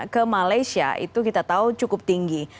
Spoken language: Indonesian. ke malaysia itu kita tahu cukup tinggi